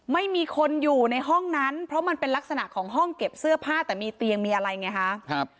ไม่มีคนอยู่ในห้องนั้นเพราะมันเป็นลักษณะของห้องเก็บเสื้อผ้าแต่มีเตียงมีอะไรไงคะ